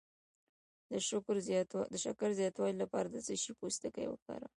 د شکر د زیاتیدو لپاره د څه شي پوستکی وکاروم؟